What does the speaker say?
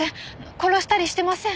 殺したりしてません！